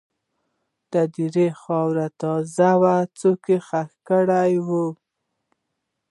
د هدیرې خاوره تازه وه، څوک یې ښخ کړي وو.